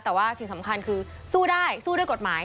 แต่ว่าสิ่งสำคัญคือสู้ได้สู้ด้วยกฎหมาย